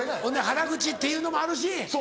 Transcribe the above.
ほんで原口っていうのもあるし。